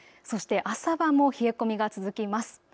そして朝晩も冷え込みが続きます。